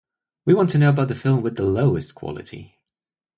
We want to know about the film with the lowest quality.